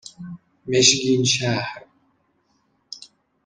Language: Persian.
مشگینشهر